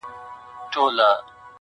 نه په پلونو نه په ږغ د چا پوهېږم!.